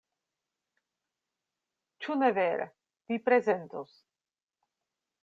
Ĉu ne vere, vi prezentos?